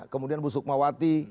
kemudian abu sukmawati